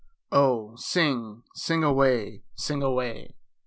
Oh, sing, sing away, sing away!